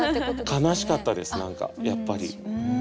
悲しかったです何かやっぱり。